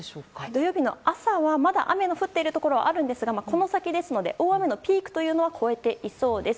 土曜日の朝は、まだ雨の降っているところはありますがこの先ですので大雨のピークは超えそうです。